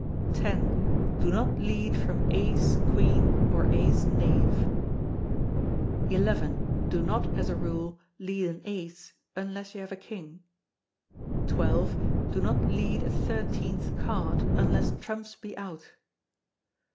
x. Do not lead from ace queen, or ace knave. xi. Do not as a rule lead an ace, unless you have a king. xii. Do not lead a thirteenth card, unless trumps be out.